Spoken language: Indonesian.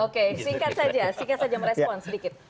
oke singkat saja singkat saja merespon sedikit